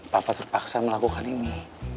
papa terpaksa melakukan ini